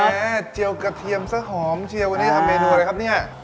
เจียวกระเทียมซะหอมเชียววันนี้ทำเมนูอะไรครับเนี่ย